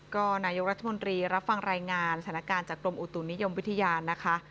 ก็นายกรัฐมนตรีรับฟังรายงานสถานการณ์จากกรมอุตุนิยมวิทยานะคะ